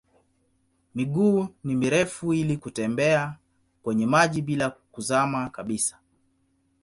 Miguu ni mirefu ili kutembea kwenye maji bila kuzama kabisa.